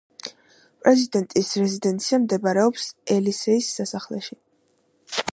პრეზიდენტის რეზიდენცია მდებარეობს ელისეის სასახლეში.